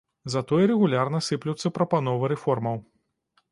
Затое рэгулярна сыплюцца прапановы рэформаў.